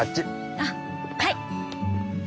あっはい。